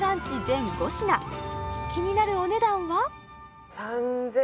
全５品気になるお値段は？